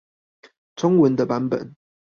中文的版本